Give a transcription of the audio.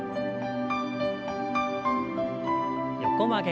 横曲げ。